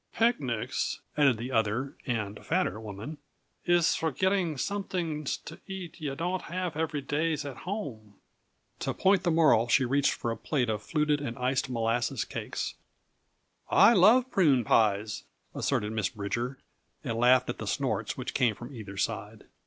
"Picnics," added the other and fatter woman, "iss for getting somet'ings t' eat yuh don'd haff every day at home." To point the moral she reached for a plate of fluted and iced molasses cakes. "I love prune pies," asserted Miss Bridger, and laughed at the snorts which came from either side.